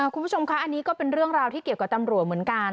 คุณผู้ชมคะอันนี้ก็เป็นเรื่องราวที่เกี่ยวกับตำรวจเหมือนกัน